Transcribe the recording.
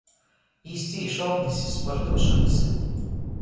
Jis cīši ognys iz sportuošonys.